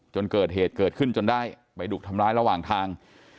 จนเกิดเหตุเกิดขึ้นจนได้ไปดุทำร้ายระหว่างทาง